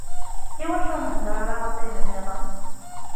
Iwacu ur nhedder ara ɣef ayen nniḍen?